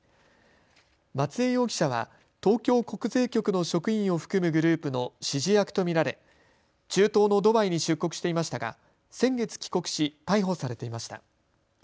松江容疑者は東京国税局の職員を含むグループの指示役と見られ中東のドバイに出国していましたが先月、帰国し逮捕されていました。